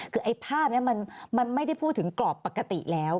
คือไอ้ภาพนี้มันไม่ได้พูดถึงกรอบปกติแล้ว